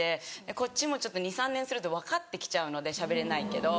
こっちも２３年すると分かってきちゃうのでしゃべれないけど。